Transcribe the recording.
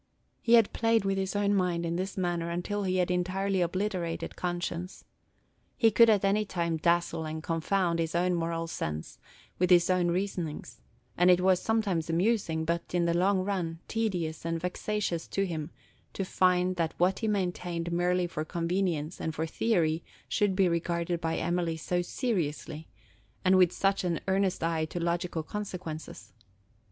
He had played with his own mind in this manner until he had entirely obliterated conscience. He could at any time dazzle and confound his own moral sense with his own reasonings; and it was sometimes amusing, but, in the long run, tedious and vexatious to him, to find that what he maintained merely for convenience and for theory should be regarded by Emily so seriously, and with such an earnest eye to logical consequences.